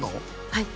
はい？